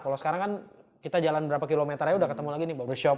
kalau sekarang kan kita jalan berapa kilometernya udah ketemu lagi nih mbak workshop